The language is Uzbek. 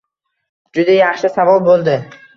Juda yaxshi savol boʻldi.